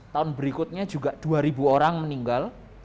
tahun berikutnya juga dua orang meninggal